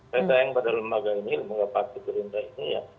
saya sayang pada lembaga ini lembaga partai gerindra ini ya